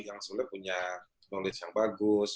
yang sebenarnya punya knowledge yang bagus